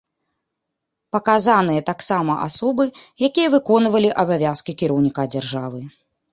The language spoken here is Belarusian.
Паказаныя таксама асобы, якія выконвалі абавязкі кіраўніка дзяржавы.